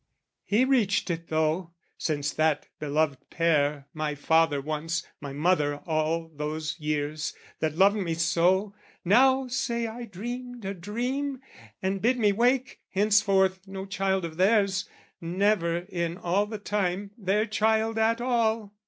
"He reached it, though, since that beloved pair, "My father once, my mother all those years, "That loved me so, now say I dreamed a dream "And bid me wake, henceforth no child of theirs, "Never in all the time their child at all.